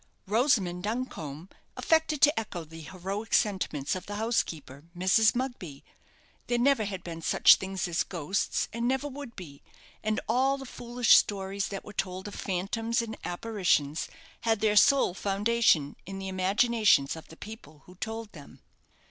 Rosamond Duncombe affected to echo the heroic sentiments of the housekeeper, Mrs. Mugby. There never had been such things as ghosts, and never would be; and all the foolish stories that were told of phantoms and apparitions, had their sole foundation in the imaginations of the people who told them.